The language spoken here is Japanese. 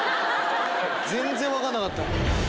全然分かんなかった。